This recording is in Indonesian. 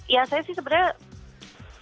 ya saya sih sebenarnya